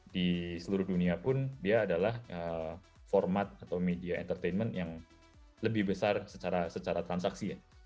di seluruh dunia pun dia adalah format atau media entertainment yang lebih besar secara transaksi ya